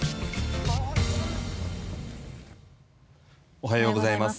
おはようございます。